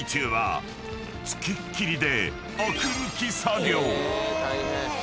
［付きっきりで］